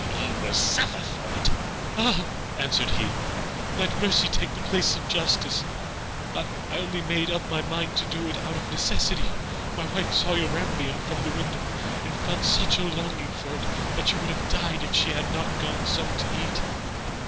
You shall suffer for it!' 'Ah,' answered he, 'let mercy take the place of justice, I only made up my mind to do it out of necessity. My wife saw your rampion from the window, and felt such a longing for it that she would have died if she had not got some to eat.